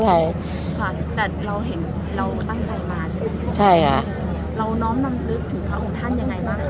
แต่เราเห็นเราตั้งใส่มาใช่ไหมใช่อ่ะเราน้องนั่งนึกถึงของท่านยังไงบ้างค่ะ